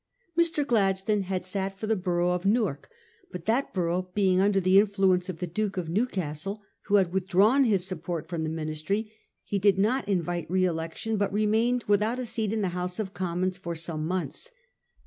Mr. Gladstone had sat for the borough of Newark, but that borough being under the influence of the Duke of Newcastle, who had withdrawn Ms support from the Ministry, he did not invite re election, but remained without a seat in the House of Commons for some months.